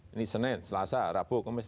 ini senin selasa rabu kemis